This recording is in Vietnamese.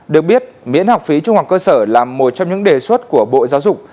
được biết miễn học phí trung học cơ sở là một trong những đề xuất của bộ giáo dục